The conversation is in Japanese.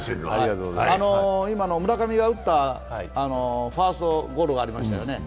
今の村上が打ったファーストゴロがありましたよね。